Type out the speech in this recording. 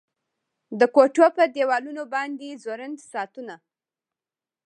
د کوټو په دیوالونو باندې ځوړند ساعتونه